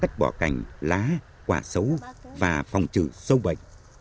tất bỏ cành lá quả xấu và phòng trừ sâu bệnh